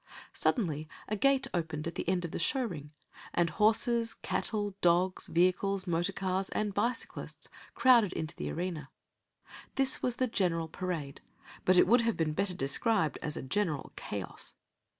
Suddenly a gate opened at the end of the show ring, and horses, cattle, dogs, vehicles, motor cars, and bicyclists crowded into the arena. This was the general parade, but it would have been better described as a general chaos.